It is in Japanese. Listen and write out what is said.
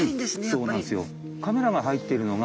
そうなんですよ。